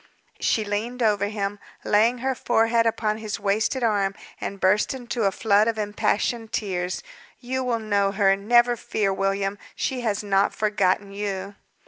She leaned over him, laying her forehead upon his wasted arm, and burst into a flood of impassioned tears. "You will know her, never fear, William; she has not forgotten you."